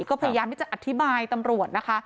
ก็พยายามที่จะอธิบายตำรวจนะคะ